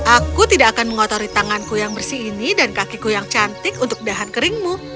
aku tidak akan mengotori tanganku yang bersih ini dan kakiku yang cantik untuk dahan keringmu